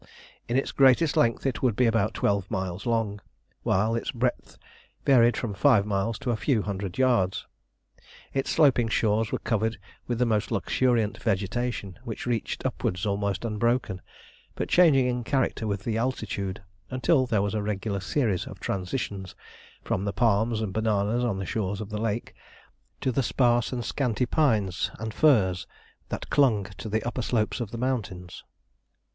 In its greatest length it would be about twelve miles long, while its breadth varied from five miles to a few hundred yards. Its sloping shores were covered with the most luxuriant vegetation, which reached upwards almost unbroken, but changing in character with the altitude, until there was a regular series of transitions, from the palms and bananas on the shores of the lake, to the sparse and scanty pines and firs that clung to the upper slopes of the mountains.